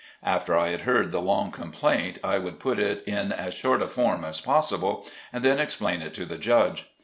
After I had heard the long complaint, I would put it in as short a form as possible and then explain it to the judge.